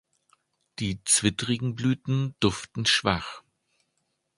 Die zwittrigen Blüten duften schwach.